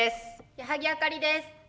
矢作あかりです。